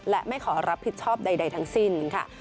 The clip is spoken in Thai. และไม่ขอรับผิดชอบใดทั้งสิ้นค่ะ